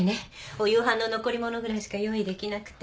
お夕飯の残り物ぐらいしか用意できなくて。